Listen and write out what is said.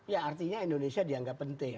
ya artinya indonesia dianggap penting